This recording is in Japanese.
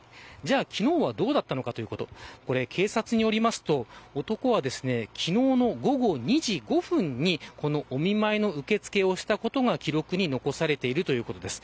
昨日はどうだったのかというと警察によりますと男は、昨日の午後２時５分にこのお見舞いの受け付けをしたことが記録に残されているということです。